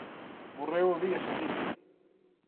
Morreu ao día seguinte.